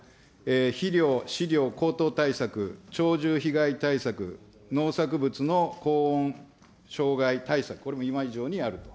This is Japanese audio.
肥料、飼料、高騰対策、鳥獣被害対策、農作物の高温障害対策、これも今以上にやると。